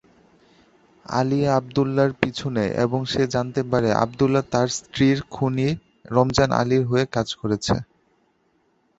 আলী আবদুল্লাহর পিছু নেয় এবং সে জানতে পারে আবদুল্লাহ তার স্ত্রীর খুনি রমজান আলীর হয়ে কাজ করছে।